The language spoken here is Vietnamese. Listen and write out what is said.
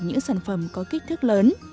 những sản phẩm có kích thước lớn